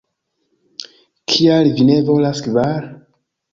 Kial vi ne volas kvar?"